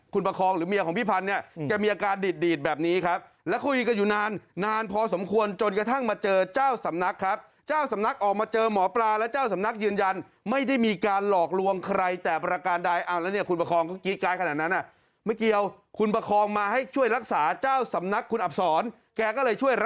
คุณประคองหรือเมียของพี่พันธ์เนี่ยแกมีอาการดีดดีดแบบนี้ครับแล้วคุยกันอยู่นานนานพอสมควรจนกระทั่งมาเจอเจ้าสำนักครับเจ้าสำนักออกมาเจอหมอปลาและเจ้าสำนักยืนยันไม่ได้มีการหลอกลวงใครแต่ประการใดเอาแล้วเนี่ยคุณประคองก็กรี๊ดการ์ขนาดนั้นอ่ะไม่เกี่ยวคุณประคองมาให้ช่วยรักษาเจ้าสำนัก